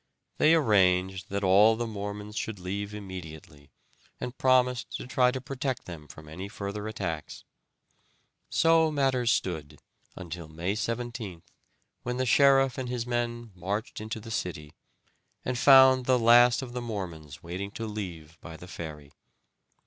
They arranged that all the Mormons should leave immediately, and promised to try to protect them from any further attacks. So matters stood until May 17th, when the sheriff and his men marched into the city, and found the last of the Mormons waiting to leave by the ferry.